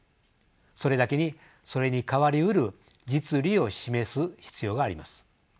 それだけにそれに代わりうる実利を示す必要があります。